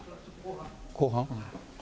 後半？